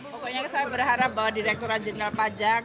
pokoknya saya berharap bahwa direkturat jenderal pajak